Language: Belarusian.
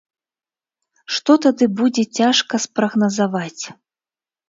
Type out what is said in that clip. Што тады будзе, цяжка спрагназаваць.